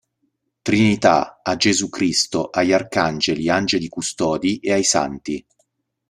Trinità, a Gesù Cristo, agli Arcangeli, Angeli Custodi e ai Santi.